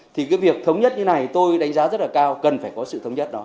thì cái việc thống nhất như này tôi đánh giá rất là cao cần phải có sự thống nhất đó